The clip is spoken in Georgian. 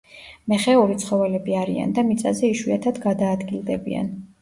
მეხეური ცხოველები არიან და მიწაზე იშვიათად გადაადგილდებიან.